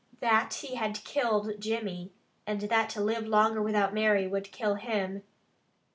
That he had killed Jimmy, and that to live longer without Mary would kill him.